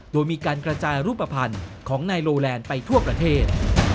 โดยมีการกระจายรูปภัณฑ์ของนายโลแลนด์ไปทั่วประเทศ